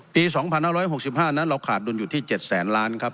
ปี๒๕๖๕นั้นเราขาดดุลอยู่ที่๗แสนล้านครับ